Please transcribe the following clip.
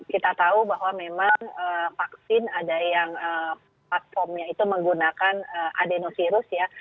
kita tahu bahwa memang vaksin ada yang platformnya itu menggunakan adenovirus ya